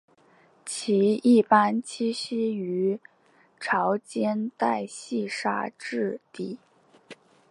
其一般栖息于潮间带细砂质底。